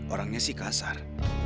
orangnya sih kasar